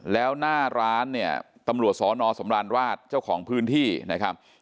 แล้วหน้าร้านเนี่ยตำรวจสอนอสำราญราชเจ้าของพื้นที่นะครับ